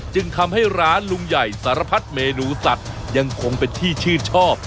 จึงทำให้ร้านลุงใหญ่สารพัดเมนูสัตว์ยังคงเป็นที่ชื่นชอบ